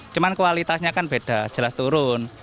cuma kualitasnya kan beda jelas turun